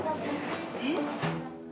えっ？